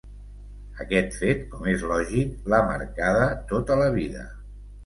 Aquest fet, com és lògic, l'ha marcada tota la vida.